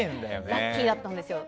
ラッキーだったんですよ。